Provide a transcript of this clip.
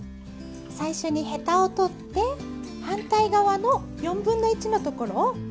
最初にヘタを取って反対側の４分の１のところをカットします。